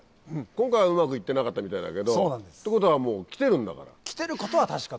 今回はうまく行ってなかったみたいだけどってことはもう来てるんだから。来てることは確かという。